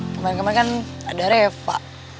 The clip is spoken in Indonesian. kemarin kemarin kan ada reva